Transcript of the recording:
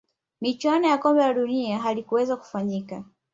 michuano ya kombe la dunia halikuweza kufanyika